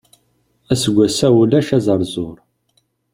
Aseggas-a ulac aẓerẓur.